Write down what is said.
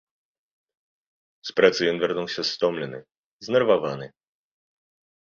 З працы ён вярнуўся стомлены, знерваваны.